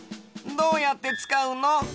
どうやってつかうの？